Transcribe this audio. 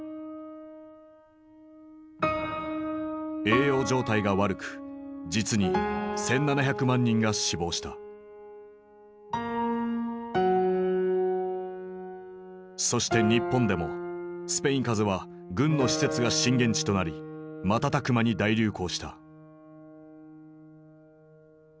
栄養状態が悪く実にそして日本でもスペイン風邪は軍の施設が震源地となり瞬く間に大流行した。